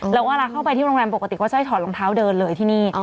แล้วเวลาเข้าไปที่โรงแรมปกติก็จะให้ถอดรองเท้าเดินเลยที่นี่